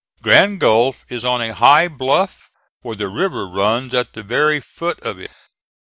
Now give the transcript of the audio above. Grand Gulf is on a high bluff where the river runs at the very foot of it.